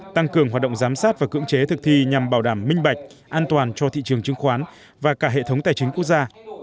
tăng cường hoạt động giám sát và cưỡng chế thực thi nhằm bảo đảm minh bạch an toàn cho thị trường chứng khoán và cả hệ thống tài chính quốc gia